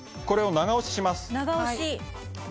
長押し。